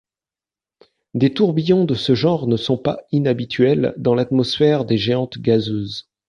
Des tourbillons de ce genre ne sont pas inhabituels dans l'atmosphère des géantes gazeuses.